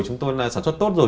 chúng tôi sản xuất tốt rồi